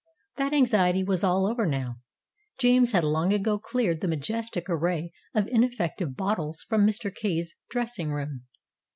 That anxiety was all over now. James had long ago cleared the majestic array of ineffective bottles from Mr. Kay's dressing room.